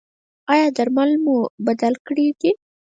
ایا درمل مو بدل کړي دي؟